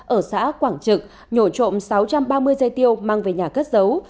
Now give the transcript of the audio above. ở xã quảng trực nhổ trộm sáu trăm ba mươi dây tiêu mang về nhà cất giấu